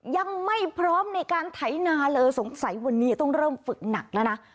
ยังไม่พร้อมในการไถนาเลยสงสัยวันนี้ต้องเริ่มฝึกหนักแล้วนะ